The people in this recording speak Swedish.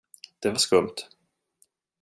Det var skumt.